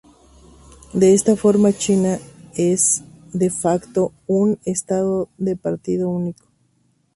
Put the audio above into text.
De esta forma, China es, "de facto", un estado de partido único".